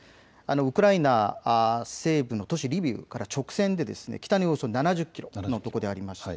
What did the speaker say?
ウクライナ西部の都市リビウから直線で北におよそ７０キロのところにあります。